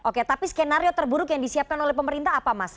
oke tapi skenario terburuk yang disiapkan oleh pemerintah apa mas